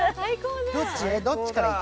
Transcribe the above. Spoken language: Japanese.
どっちからいく？